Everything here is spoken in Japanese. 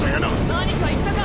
何か言ったか？